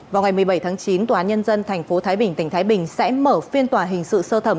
vào ngày một mươi bảy tháng chín tòa án nhân dân tp thái bình tỉnh thái bình sẽ mở phiên tòa hình sự sơ thẩm